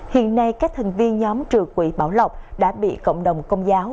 hiện nay các thành viên nhóm trừ quỹ bảo lộc đã bị cộng đồng công giáo